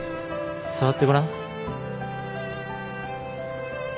触ってごらん。